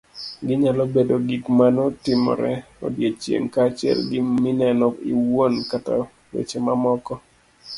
Ginyalo bedo gik manotimore odiochieng' , kaachiel gi mineno iwuon kata weche mamoko